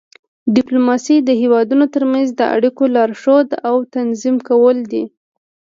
ډیپلوماسي د هیوادونو ترمنځ د اړیکو لارښود او تنظیم کول دي